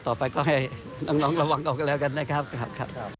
ต่อไปก็ให้น้องระวังออกกันแล้วกันนะครับ